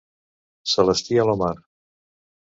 Celestí Alomar.